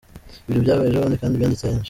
Ibyo byabaye ejobundi kandi byanditse henshi.